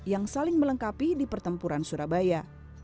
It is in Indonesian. yang saling melengkapi di pertempuran surabaya